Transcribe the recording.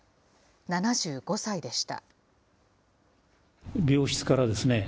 ７５歳でした。